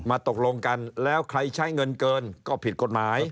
ตกลงกันแล้วใครใช้เงินเกินก็ผิดกฎหมาย